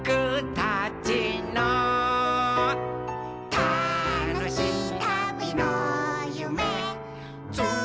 「たのしいたびのゆめつないでる」